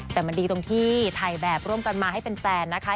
แต่มันดีตรงที่ถ่ายแบบร่วมกันมาให้แฟนนะคะ